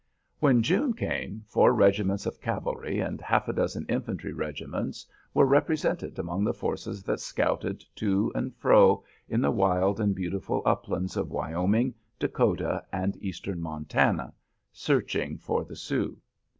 When June came, four regiments of cavalry and half a dozen infantry regiments were represented among the forces that scouted to and fro in the wild and beautiful uplands of Wyoming, Dakota, and Eastern Montana, searching for the Sioux.